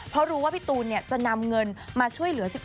เพราะรู้ว่าพี่ตูนจะนำเงินมาช่วยเหลือ๑๓